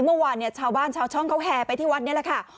เมื่อวานเนี่ยชาวบ้านชาวช่องเขาแห่ไปที่วัดนี้แหละค่ะ